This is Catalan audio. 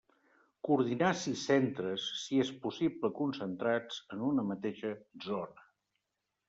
Coordinar sis centres, si és possible concentrats en una mateixa zona.